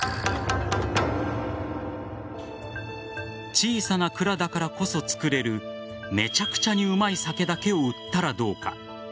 小さな蔵だからこそ造れるめちゃくちゃにうまい酒だけを売ったらどうか。